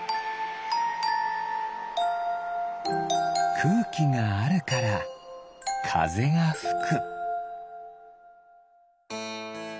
くうきがあるからかぜがふく。